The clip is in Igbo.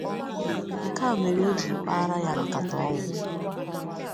Nke a mere e ji kpara ya nkata ọnwụ